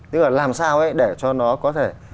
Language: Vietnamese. nhưng mà làm sao để cho nó có thể